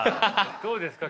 どうですか？